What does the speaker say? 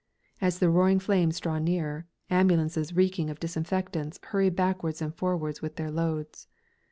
As the roaring flames draw nearer, ambulances reeking of disinfectants hurry backwards and forwards with their loads.